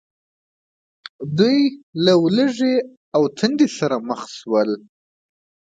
دوی له ولږې او تندې سره مخ شول.